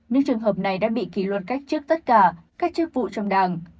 nếu trường hợp này đã bị kỳ luận cách trước tất cả cách trước vụ trong đảng